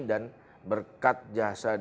dan berkat jasa dari